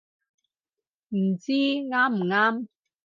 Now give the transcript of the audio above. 唔知啱唔啱